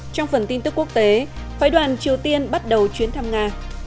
trong phần tin tức quốc tế phái đoàn triều tiên bắt đầu chuyến thăm nga